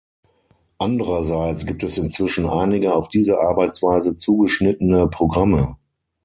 Andererseits gibt es inzwischen einige auf diese Arbeitsweise zugeschnittene Programme.